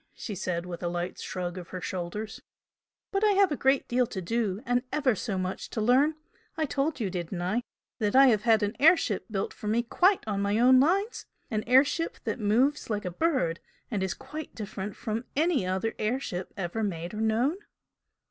she said, with a light shrug of her shoulders "But I have a great deal to do, and ever so much to learn. I told you, didn't I? that I have had an air ship built for me quite on my own lines? an air ship that moves like a bird and is quite different from any other air ship ever made or known?"